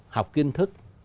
học kiên thức